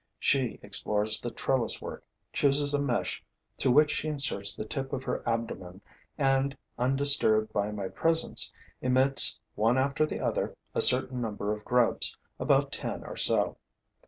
She explores the trellis work, chooses a mesh through which she inserts the tip of her abdomen and, undisturbed by my presence, emits, one after the other, a certain number of grubs, about ten or so.